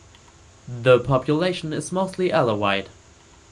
The population is mostly Alawite.